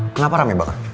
kenapa rame banget